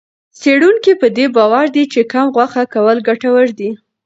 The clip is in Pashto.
څېړونکي په دې باور دي چې کم غوښه کول ګټور دي.